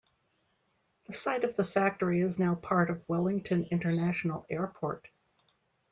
The site of the factory is now part of Wellington International Airport.